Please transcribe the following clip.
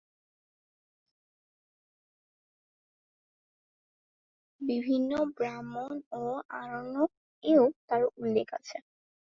বিভিন্ন ব্রাহ্মণ ও আরণ্যক -এও তাঁর উল্লেখ আছে।